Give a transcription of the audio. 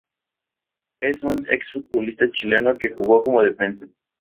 Es un exfutbolista chileno que jugó como defensa.